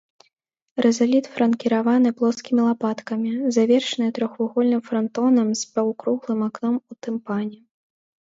Рызаліт фланкіраваны плоскімі лапаткамі, завершаны трохвугольным франтонам з паўкруглым акном у тымпане.